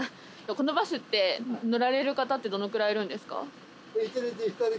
このバスって乗られる方ってどのくらいいるんですか？